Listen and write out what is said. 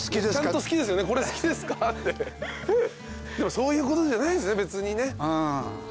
そういうことじゃないんすね別にね。